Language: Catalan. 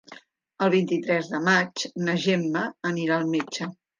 El vint-i-tres de maig na Gemma anirà al metge.